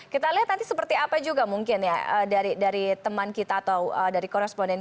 kita lihat nanti seperti apa juga mungkin ya dari teman kita atau dari koresponden